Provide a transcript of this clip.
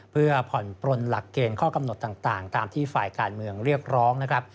เพื่อผ่อนปลนหลักเกณฑ์ข้อกำหนดต่างตามที่ฝ่ายการเมืองเรียกร้องนะครับ